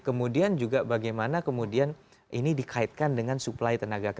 kemudian juga bagaimana ini dikaitkan dengan suplai tenaga